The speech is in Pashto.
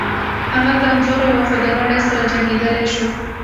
هغه کمزوری و خو د نړۍ سره جنګېدلی شو